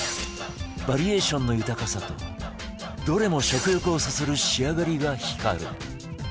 バリエーションの豊かさとどれも食欲をそそる仕上がりが光る